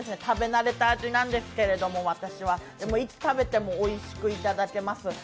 食べ慣れた味なんですけど、私は、でもいつ食べてもおいしくいただけます。